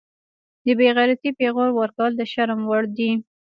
د بیغیرتۍ پیغور ورکول د شرم وړ دي